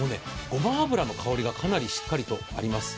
ごま油の香りが、かなりしっかりとあります。